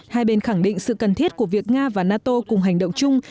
hai bên khẳng định sự cần thiết của việc nga và nato cùng hành động chung